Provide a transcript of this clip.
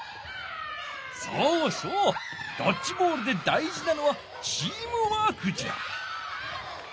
そうそうドッジボールで大じなのはチームワークじゃ！